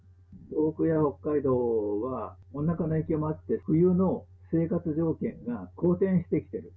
東北や北海道は温暖化の影響もあって、冬の生活条件が好転してきている。